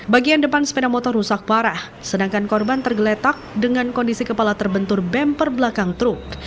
bagian depan sepeda motor rusak parah sedangkan korban tergeletak dengan kondisi kepala terbentur bemper belakang truk